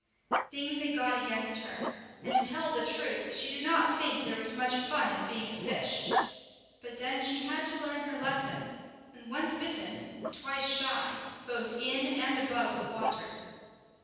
Things had gone against her, and to tell the truth she did not think there was much fun in being a fish; but then she had to learn her lesson, and once bitten, twice shy, both in and above the water.